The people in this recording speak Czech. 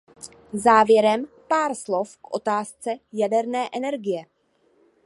Závěrem pár slov k otázce jaderné energie.